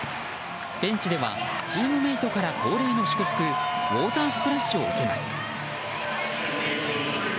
ベンチではチームメートから恒例の祝福ウォータースプラッシュを受けます。